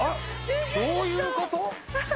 どういうこと？